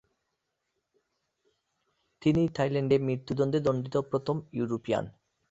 তিনিই থাইল্যান্ডে মৃত্যুদণ্ডে দণ্ডিত প্রথম ইউরোপিয়ান।